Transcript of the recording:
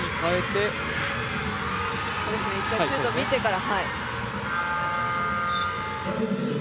１回、シュートを見てから。